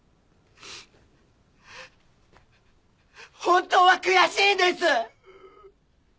本当は悔しいです！